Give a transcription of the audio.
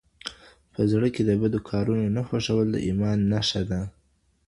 په زړه کې د بدو کارونو نه خوښول د ايمان نښه ده.